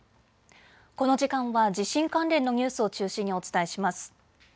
この時間は地震関連のニュースを中心にお伝えします。